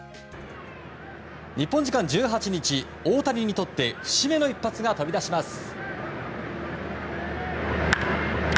日本時間１８日大谷にとって節目の一発が飛び出します。